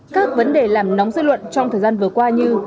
các vấn đề làm nóng dư luận trong thời gian vừa qua như